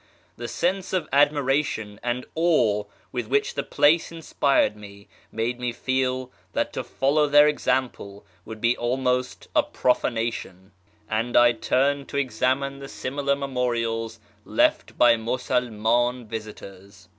The sense of admiration and awe with : which the place inspired me made me feel that to follow their example would be almost a profanation, and I turned to examine the similar memorials left by Musulman visitors.